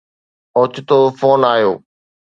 اوچتو فون آيو